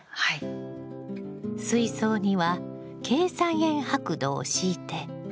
水槽にはケイ酸塩白土を敷いて。